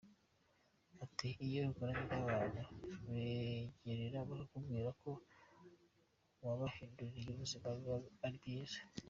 Ati “ Iyo ukoranye n’abantu wabegera bakakubwira ko wabahinduriye ubuzima biba ari byiza.